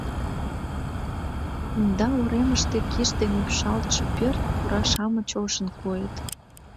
Кумда уремыште киш ден ӱпшалтше пӧрт пура-шамыч ошын койыт.